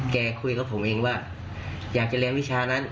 คุยกับผมเองว่าอยากจะเรียนวิชานั้น